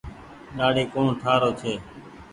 ڏآڙي ڪوڻ ٺآ رو ڇي۔